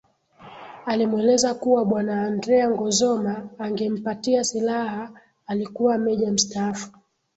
Alimweleza kuwa bwana Andrea Ngozoma angempatia silaha alikuwa meja mstaafu